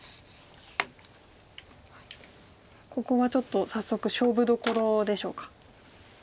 ここはちょっと早速勝負どころでしょうか。